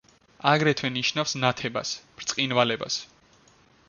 აგრეთვე, ნიშნავს „ნათებას“, „ბრწყინვალებას“.